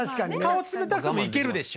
顔は冷たくてもいけるでしょ。